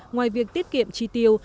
ngoài việc tiết kiệm chi tiêu